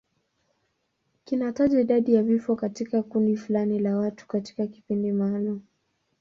Kinataja idadi ya vifo katika kundi fulani la watu katika kipindi maalum.